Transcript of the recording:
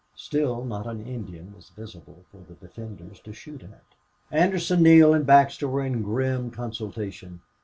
Still not an Indian was visible for the defenders to shoot at. Anderson, Neale, and Baxter were in grim consultation.